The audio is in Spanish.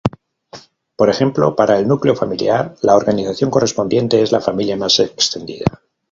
Por ejemplo para el núcleo familiar, la organización correspondiente es la familia más extendida.